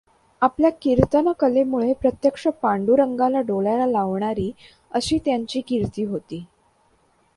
आपल्या कीर्तनकलेमुळे प्रत्यक्ष पांडुरंगाला डोलायला लावणारा असा त्यांची कीर्ती होती.